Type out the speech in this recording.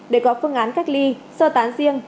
để có phương án cách ly sơ tán riêng